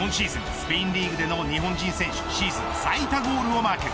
スペインリーグでの日本人選手シーズン最多ゴールをマーク。